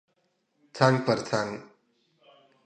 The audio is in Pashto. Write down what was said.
څنګ پر څنګ